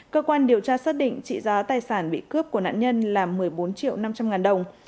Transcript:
cơ quan điều tra xác định trị giá tài sản bị cướp của nạn nhân là một mươi bốn triệu năm trăm linh ngàn đồng